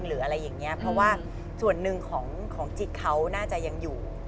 หรืออะไรอย่างนี้เพราะว่าส่วนหนึ่งของจิตเขาน่าจะยังอยู่